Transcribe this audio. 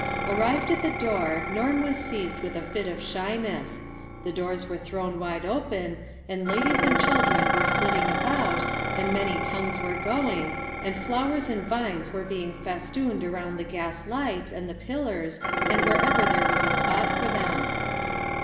Arrived at the door, Norm was seized with a fit of shyness ; the doors were thrown wide open, and ladies and children were flitting about, and many tongues were going, and flowers and vines were being festooned around the gas lights, and the pillars, and wherever there was a spot for them.